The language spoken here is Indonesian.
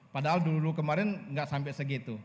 padahal dulu dulu kemarin tidak sampai segitu